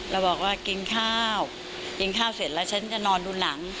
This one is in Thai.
แล้วบอกว่ากินข้าวกินข้าวเสร็จแล้วฉันจะนอนดูหนัง